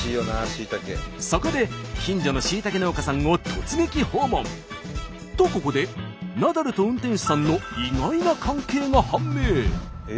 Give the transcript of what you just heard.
そこで近所のしいたけ農家さんを突撃訪問。とここでナダルと運転手さんの意外な関係が判明。